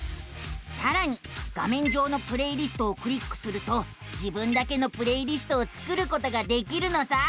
さらに画めん上の「プレイリスト」をクリックすると自分だけのプレイリストを作ることができるのさあ。